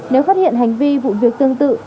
nếu phát hiện hành vi vụ việc tương tự